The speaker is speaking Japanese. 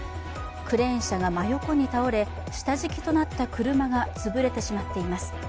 クレーン車が真横に倒れ、下敷きとなった車がつぶれてしまっています。